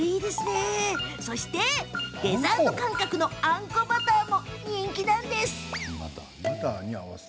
そしてデザート感覚のあんこバターも人気なんです。